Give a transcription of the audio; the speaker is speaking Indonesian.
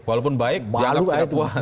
walaupun baik dianggap tidak puas